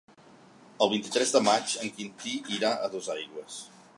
El vint-i-tres de maig en Quintí irà a Dosaigües.